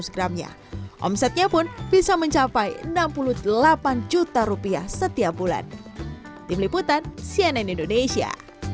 seratus gramnya omsetnya pun bisa mencapai enam puluh delapan juta rupiah setiap bulan tim liputan cnn indonesia